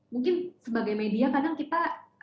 mungkin sebagai media kadang kita